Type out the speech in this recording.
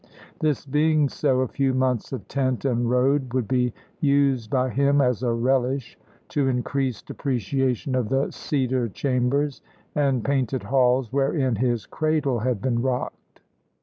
This being so, a few months of tent and road would be used by him as a relish to increased appreciation of the cedar chambers and painted halls wherein his cradle had been rocked.